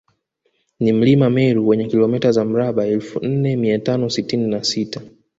Ni mlima Meru wenye kilomita za mraba elfu nne mia tano sitini na sita